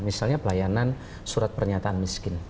misalnya pelayanan surat pernyataan miskin